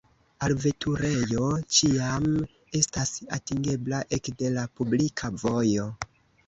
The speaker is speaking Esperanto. Alveturejo ĉiam estas atingebla ekde la publika vojo.